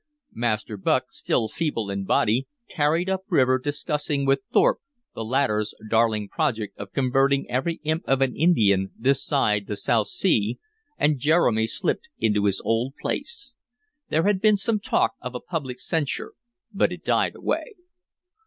Master Bucke, still feeble in body, tarried up river discussing with Thorpe the latter's darling project of converting every imp of an Indian this side the South Sea, and Jeremy slipped into his old place. There had been some talk of a public censure, but it died away.